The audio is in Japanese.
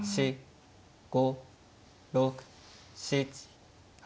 ５６７８。